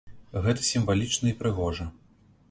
Гэта сімвалічна і прыгожа.